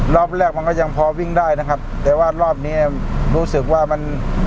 รอบแรกมันก็ยังพอวิ่งได้นะครับแต่ว่ารอบเนี้ยรู้สึกว่ามัน